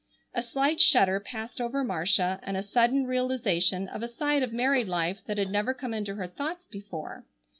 A slight shudder passed over Marcia, and a sudden realization of a side of married life that had never come into her thoughts before.